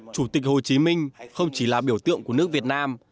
chủ tịch hồ chí minh không chỉ là biểu tượng của nước việt nam